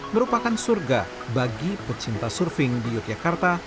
merupakan surga bagi pecinta surfing di yogyakarta